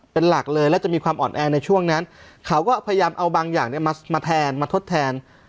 เป็นหลักเลยแล้วจะมีความอ่อนแอในช่วงนั้นเขาก็พยายามเอาบางอย่างเนี่ยมาแทนมาทดแทน